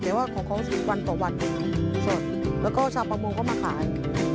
แต่ว่าของเขา๑๐วันต่อวันสดแล้วก็ชาวประมงก็มาขาย